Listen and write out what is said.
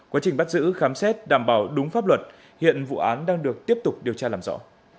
quá trình bắt giữ khám xét đảm bảo đúng pháp luật hiện vụ án đang được tiếp tục điều tra làm rõ